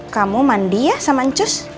kamu mandi ya sama cus